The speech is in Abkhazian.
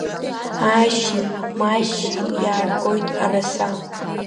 Аашьышьи-маашьышьи иааргон араса.